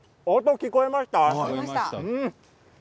聞こえました。